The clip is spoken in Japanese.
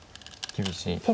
厳しい？